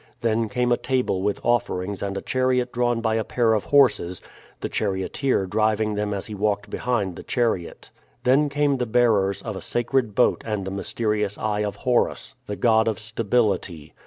Then came a table with offerings and a chariot drawn by a pair of horses, the charioteer driving them as he walked behind the chariot. Then came the bearers of a sacred boat and the mysterious eye of Horus, the god of stability.